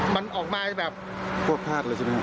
พวกพาตเลยใช่ไหมครับ